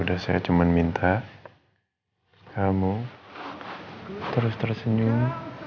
udah saya cuma minta kamu terus tersenyum